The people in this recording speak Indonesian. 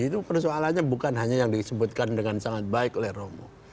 itu persoalannya bukan hanya yang disebutkan dengan sangat baik oleh romo